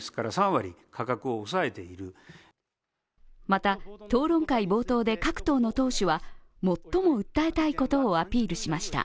また、討論会冒頭で各党の党首は最も訴えたいことをアピールしました。